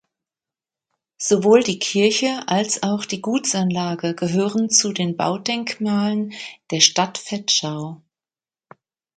Sowohl die Kirche als auch die Gutsanlage gehören zu den Baudenkmalen der Stadt Vetschau.